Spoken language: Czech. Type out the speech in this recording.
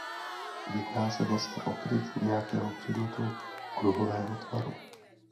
Jedná se vlastně o kryt nějakého předmětu kruhového tvaru.